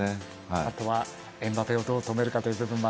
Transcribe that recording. あとは、エムバペをどう止めるかという部分も。